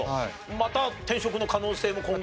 また転職の可能性も今後。